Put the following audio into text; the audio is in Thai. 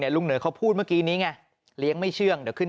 ลุงเหนือเขาพูดเมื่อกี้นี้ไงเลี้ยงไม่เชื่องเดี๋ยวขึ้น